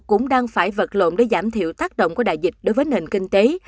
cũng đang phải vật lộn để giảm thiểu tác động của đại dịch đối với nền kinh tế